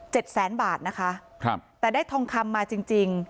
แสนบาทนะคะครับแต่ได้ทองคำมาจริงจริง